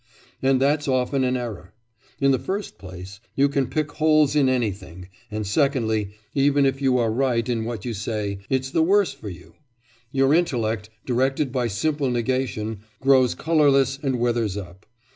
And that's often an error. In the first place, you can pick holes in anything; and secondly, even if you are right in what you say, it's the worse for you; your intellect, directed by simple negation, grows colourless and withers up.